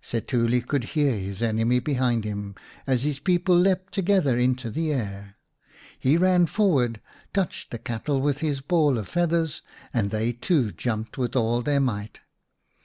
Setuli could hear his enemy behind him as his people leapt together into the air. He ran forward, touched the cattle with his ball of feathers, and they too jumped with all their might.